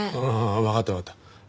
わかったわかった。